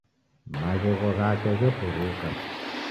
Maghegho ghake gheturuka